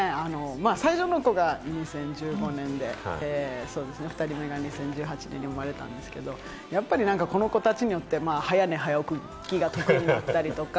最初の子が２０１５年で、２人目が２０１８年に生まれたんですけれども、やっぱりこの子たちによって、早寝早起きが得意になったりとか。